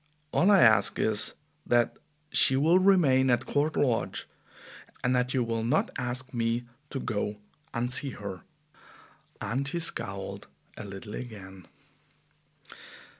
All I ask is that she will remain at Court Lodge and that you will not ask me to go and see her," and he scowled a little again.